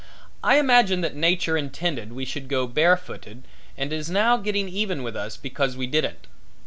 I imagine that Nature intended we should go barefooted and is now getting even with us because we didn't.